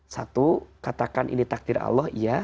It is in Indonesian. satu katakan ini takdir allah iya